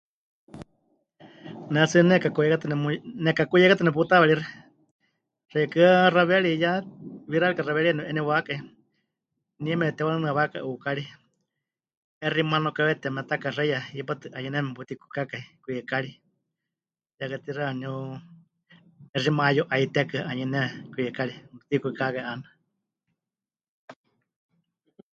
Ne tsɨ nekakuyeikátɨ nemu... nekakuyeikátɨ neputaweeríxɨ, xeikɨ́a xaweeri 'iyá wixárika xaweeríeya nepɨ'eniwákai, nie mepɨtewanɨnɨawákai 'ukári, 'exi manakáwe temetakaxeiya hipátɨ 'anuyɨneme meputikwikákai kwikari, ya katixaɨ waníu 'exi mayu'aitekɨa 'anuyɨneme kwikari puyukwikákai 'aana.